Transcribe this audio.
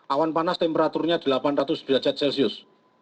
awan panas temperaturnya delapan ratus derajat celcius